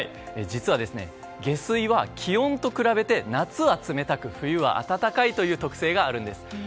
実は、下水は気温と比べて夏は冷たく、冬は温かいという特性があるんです。